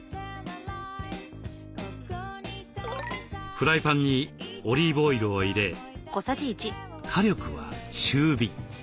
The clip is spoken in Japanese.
フライパンにオリーブオイルを入れ火力は中火。